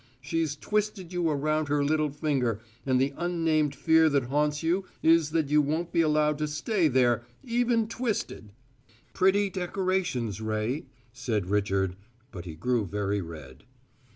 She's twisted you around her little finger, and the unnamed fear that haunts you is that you won't be allowed to stay there even twisted!" "Pretty decorations, Ray," said Richard; but he grew very red.